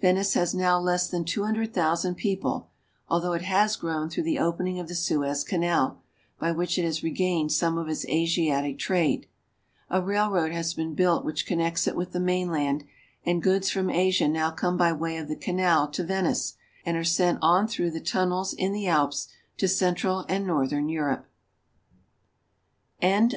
Venice has now less than two hundred thousand people, although it has grown through the opening of the Suez Canal, by which it has regained some of its Asiatic trade. A railroad has been built which connects it with the mainland, and goods from Asia now come by way of the canal to Venice, and are sent on through the tunnels in the A